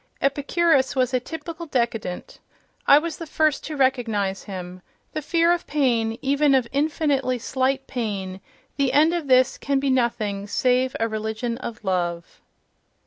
Epicurus was a typical décadent: I was the first to recognize him.—The fear of pain, even of infinitely slight pain—the end of this can be nothing save a religion of love....